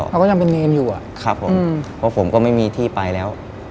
เขาก็ยังเป็นเงียนอยู่อะครับผมอืมว่าผมก็ไม่มีที่ไปแล้ว